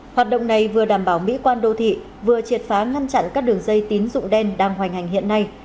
hoạt động này vừa đảm bảo mỹ quan đô thị vừa triệt phá ngăn chặn các đường dây tín dụng đen đang hoành hành hiện nay